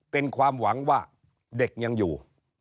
เป็นความหวังว่าเด็กยังอยู่